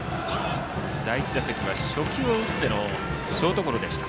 第１打席は初球を打ってのショートゴロでした。